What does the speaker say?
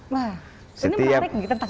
wah ini menarik gitu